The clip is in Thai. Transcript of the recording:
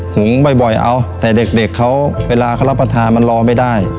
หึงบ่อยเอาแต่เด็กเขาเวลาเขารับประทานมันรอไม่ได้